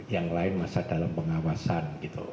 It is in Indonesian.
yang lain masih dalam pengawasan